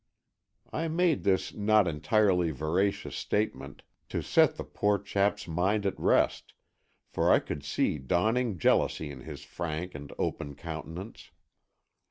I made this not entirely veracious statement to set the poor chap's mind at rest, for I could see dawning jealousy in his frank and open countenance.